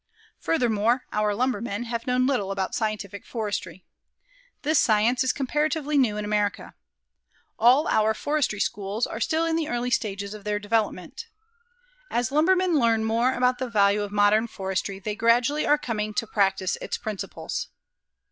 Furthermore, our lumbermen have known little about scientific forestry. This science is comparatively new in America. All our forestry schools are still in the early stages of their development. As lumbermen learn more about the value of modern forestry they gradually are coming to practice its principles.